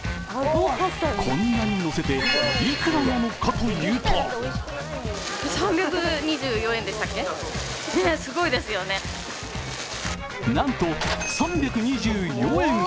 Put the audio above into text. こんなにのせて、いくらなのかというとなんと３２４円。